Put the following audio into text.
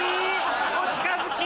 お近づき！